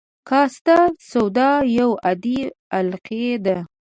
کاستک سوډا یو عادي القلي ده.